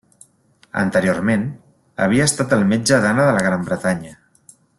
Anteriorment, havia estat el metge d’Anna de la Gran Bretanya.